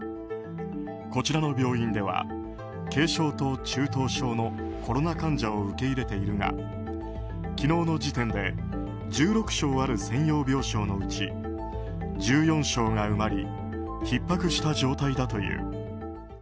こちらの病院では軽症と中等症のコロナ患者を受け入れているが昨日の時点で１６床ある専用病床のうち１４床が埋まりひっ迫した状態だという。